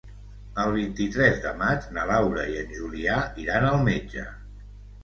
El vint-i-tres de maig na Laura i en Julià iran al metge.